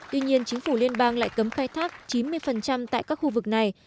tuy nhiên chính phủ liên bang lại cấm khai thác chín mươi tại các khu vực này